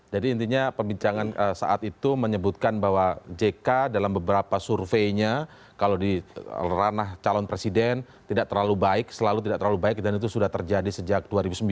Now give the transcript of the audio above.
jadi intinya pembincangan saat itu menyebutkan bahwa jk dalam beberapa surveinya kalau di ranah calon presiden tidak terlalu baik selalu tidak terlalu baik dan itu sudah terjadi sejak dua ribu sembilan